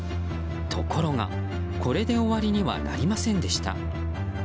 ところが、これで終わりにはなりませんでした。